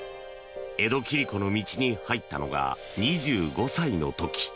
江戸切子の道に入ったのが２５歳の時。